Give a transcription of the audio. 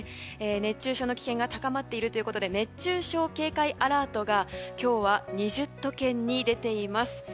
熱中症の危険が高まっているということで熱中症警戒アラートが今日は、２０都県に出ています。